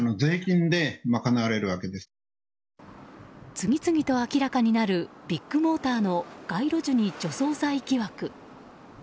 次々と明らかになるビッグモーターの、街路樹に除草剤疑惑。